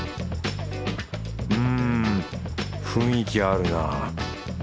うん雰囲気あるなぁ。